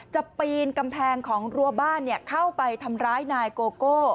ปีนกำแพงของรัวบ้านเข้าไปทำร้ายนายโกโก้